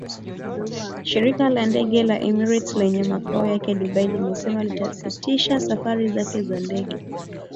Shirika la ndege la Emirates lenye makao yake Dubai limesema litasitisha safari zake za ndege